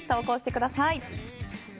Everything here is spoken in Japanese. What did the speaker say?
ぜひ投稿してください。